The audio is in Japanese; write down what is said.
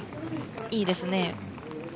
いいですね。